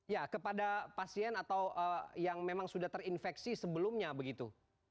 ya kepada pasien atau yang memang sudah terinfeksi sebelumnya begitu